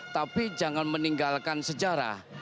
tapi jangan meninggalkan sejarah